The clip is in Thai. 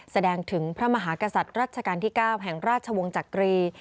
แสดงถึงพระมหากษัตริย์รัชกาลที่๙แห่งราชวงศ์จักรี